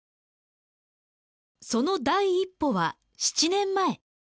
その第一歩は７年前。